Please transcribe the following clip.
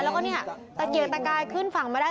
แล้วก็เนี่ยตะเกียกตะกายขึ้นฝั่งมาได้